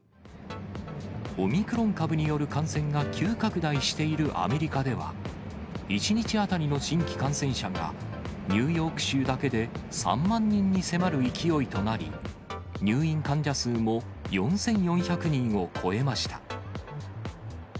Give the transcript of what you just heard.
オミクロン株による感染が急拡大しているアメリカでは、１日当たりの新規感染者がニューヨーク州だけで３万人に迫る勢いとなり、入院患者数も４４００人を超えました。